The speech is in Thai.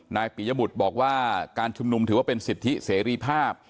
ปียบุตรบอกว่าการชุมนุมถือว่าเป็นสิทธิเสรีภาพ